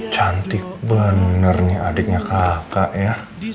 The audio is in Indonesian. cantik benar nih adiknya kakak ya